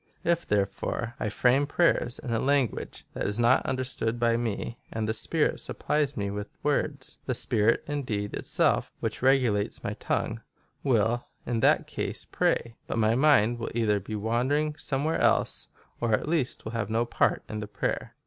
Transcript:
" If, therefore, I frame prayers in a lan guage that is not understood by me, and the spirit supplies me with words, the spirit indeed itself, which regulates my tongue, will in that case pray, but my mind will either be wandering somewhere else, or at least will have no part in the prayer."